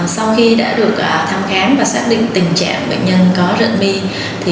sau khi đã được thăm khám và xác định tình trạng bệnh nhân có rợn mi